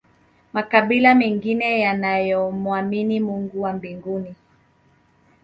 makabila mengine yanayomwamini mungu wa mbinguni